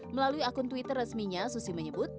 melalui akun twitter resminya susi menyebut